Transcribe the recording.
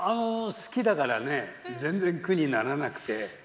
好きだからね、全然苦にならなくて。